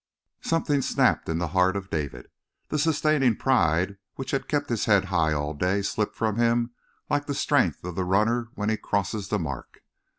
Something snapped in the heart of David. The sustaining pride which had kept his head high all day slipped from him like the strength of the runner when he crosses the mark.